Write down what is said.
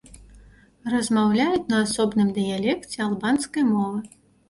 Размаўляюць на асобныя дыялекце албанскай мовы.